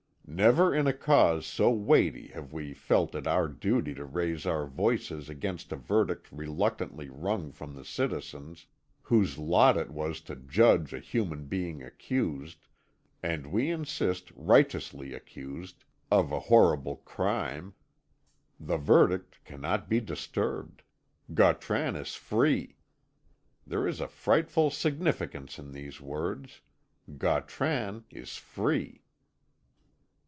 Never in a cause so weighty have we felt it our duty to raise our voice against a verdict reluctantly wrung from the citizens whose lot it was to judge a human being accused and we insist, righteously accused of a horrible crime. The verdict cannot be disturbed. Gautran is free! There is a frightful significance in these words Gautran is free!